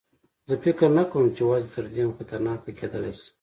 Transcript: زه فکر نه کوم چې وضع تر دې هم خطرناکه کېدلای شي.